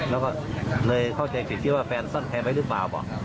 แล้วก็เลยเข้าใจถึงคิดว่าแฟนซ่อนแพ้ไปหรือเปล่าเปล่า